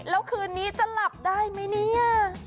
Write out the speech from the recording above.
แล้วคืนนี้จะหลับได้ไหมเนี่ย